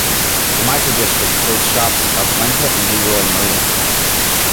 The microdistrict hosts shops of Lenta and Leroy Merlin.